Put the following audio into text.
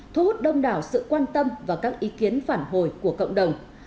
thu hút đông đảo sự quan tâm và các ý kiến phản hồi của cộng đồng